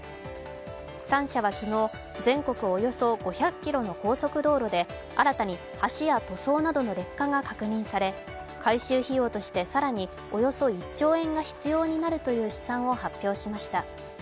３社は昨日、全国およそ５００ｋｍの高速道路で新たに派し塗装などの劣化が確認され、改修費用として更におよそ１兆円が必要になるという試算を発表しました。